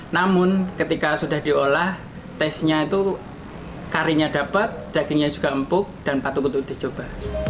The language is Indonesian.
namun ketika sudah diolah tesnya itu karinya dapat dagingnya juga empuk dan patut untuk dicoba